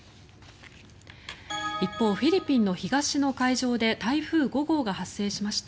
一方、フィリピンの東の海上で台風５号が発生しました。